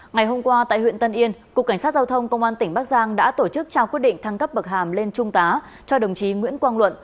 ngày hôm qua tại huyện tân yên cục cảnh sát giao thông công an tỉnh bắc giang đã tổ chức trao quyết định thăng cấp bậc hàm lên trung tá cho đồng chí nguyễn quang luận